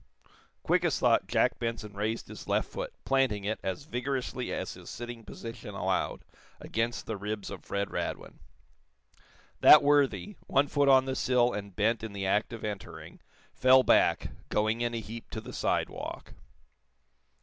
Quick as thought Jack Benson raised his left foot, planting it, as vigorously as his sitting position allowed, against the ribs of Fred Radwin. That worthy, one foot on the sill, and bent in the act of entering fell back, going in a heap to the sidewalk.